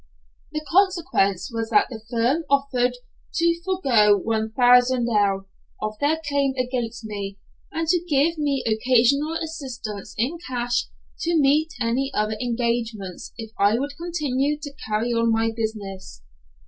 The consequence_ was that the firm offered to forego 1000_l._ of their claim against me, and to give me occasional assistance in cash to meet any other engagements if I would continue to carry on my business.